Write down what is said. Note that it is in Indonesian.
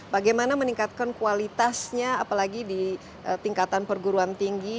bagaimana meningkatkan kualitasnya apalagi di tingkatan perguruan tinggi